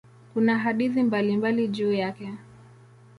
Kuna hadithi mbalimbali juu yake.